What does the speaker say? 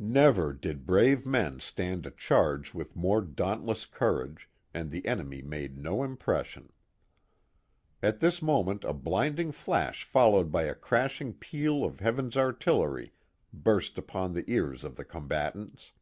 Never did brave men stand a charge with more dauntless courage, and the enemy made no impression. At this moment a blinding flash followed by a crashing peal of heaven's artillery burst upon the ears of the combat ants.